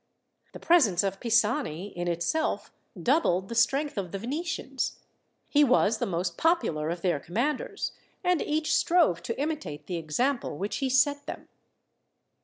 The presence of Pisani, in itself, doubled the strength of the Venetians. He was the most popular of their commanders, and each strove to imitate the example which he set them.